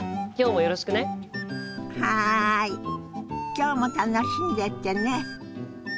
今日も楽しんでってね！